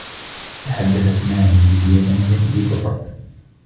تحدثت ماري باليابانية ببطئ.